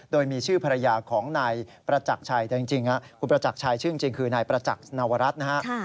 โดยมีชื่อภรรยาของนายประจักรชัยแต่จริงคุณประจักรชัยชื่อจริงคือนายประจักษ์นวรัฐนะฮะ